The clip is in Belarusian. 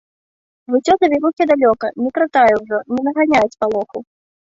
Выццё завірухі далёка, не кратае ўжо, не наганяе спалоху.